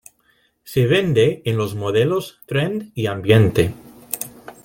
Se vende en los modelos Trend y Ambiente.